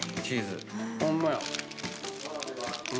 ホンマや。